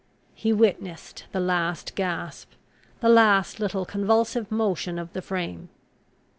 He witnessed the last gasp, the last little convulsive motion of the frame.